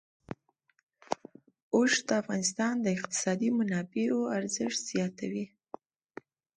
اوښ د افغانستان د اقتصادي منابعو ارزښت زیاتوي.